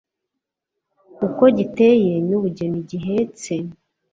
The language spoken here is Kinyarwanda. uko giteye n'ubugeni gihetse,